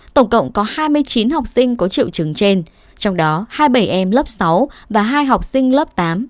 tổng cộng có hai mươi chín học sinh có triệu chứng trên trong đó hai mươi bảy em lớp sáu và hai học sinh lớp tám